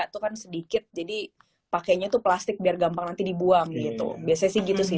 tuh kan sedikit jadi pakainya tuh plastik biar gampang nanti dibuang gitu biasanya sih gitu sih